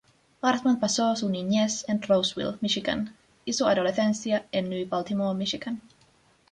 Hartman pasó su niñez en Roseville, Míchigan y su adolescencia en New Baltimore, Míchigan.